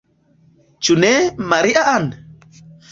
Ĉu ne, Maria-Ann?